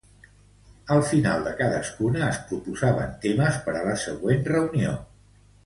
Al final de cadascuna, es proposaven temes per a la següent reunió.